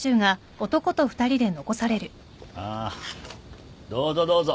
まあどうぞどうぞ。